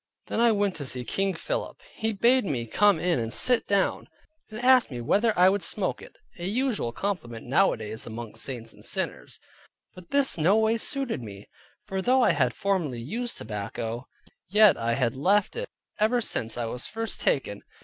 Then I went to see King Philip. He bade me come in and sit down, and asked me whether I would smoke it (a usual compliment nowadays amongst saints and sinners) but this no way suited me. For though I had formerly used tobacco, yet I had left it ever since I was first taken.